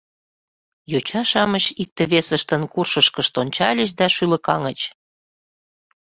Йоча-шамыч икте-весыштын куршышкышт ончальыч да шӱлыкаҥыч.